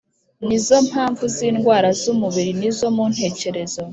ni zo mpamvu zindwara zumubiri nizo mu ntekerezo